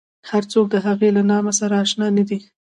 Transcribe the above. هر څوک د هغې له نامه سره اشنا نه دي.